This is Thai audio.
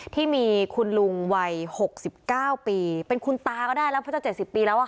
ที่มีคุณลุงวัยหกสิบเก้าปีเป็นคุณตาก็ได้แล้วเพราะจะเจ็ดสิบปีแล้วอ่ะค่ะ